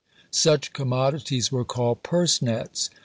Such commodities were called purse nets.